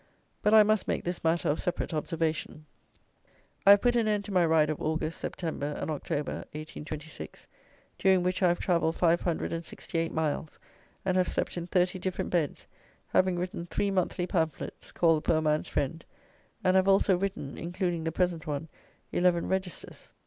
But I must make this matter of separate observation. I have put an end to my Ride of August, September, and October, 1826, during which I have travelled five hundred and sixty eight miles, and have slept in thirty different beds, having written three monthly pamphlets, called the "Poor Man's Friend," and have also written (including the present one) eleven Registers.